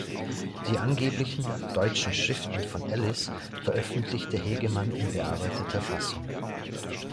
Die angeblichen "Deutschen Schriften" von Ellis veröffentlichte Hegemann in bearbeiteter Fassung.